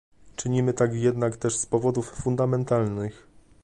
Czynimy tak jednak też z powodów fundamentalnych